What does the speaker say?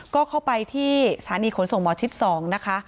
ก็เข้าไปที่สถานีขนส่งหมอชิด๒นะคะ